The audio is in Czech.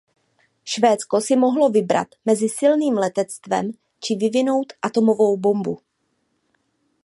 Švédsko si mohlo vybrat mezi silným letectvem či vyvinout atomovou bombu.